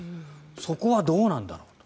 そこはどうなんだろうと。